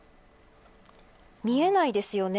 見えないですよね。